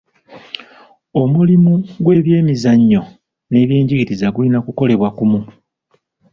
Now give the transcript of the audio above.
Omulimu gw'ebyemizannyo n'ebyenjigiriza gulina kukolebwa kumu.